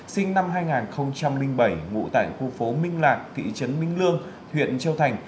sinh năm hai nghìn bảy ngụ tại khu phố minh lạc thị trấn minh lương huyện châu thành